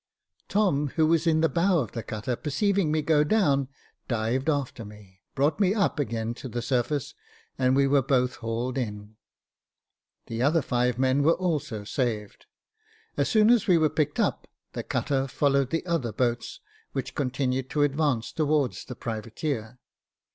Tom, who was in the bow of the cutter, perceiving me go down, dived after me, brought me up again to the surface, and we were both hauled in. The other five men were also saved. As soon as we were picked up, the cutter followed the other boats, which continued to advance towards the privateer.